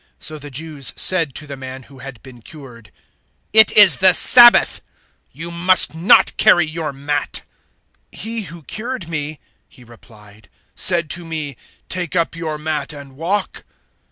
So the Jews said to the man who had been cured, "It is the Sabbath: you must not carry your mat." 005:011 "He who cured me," he replied, "said to me, `Take up your mat and walk.'"